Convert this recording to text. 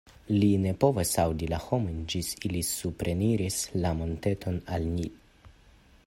Li ne povas aŭdi la homojn ĝis ili supreniris la monteton al li.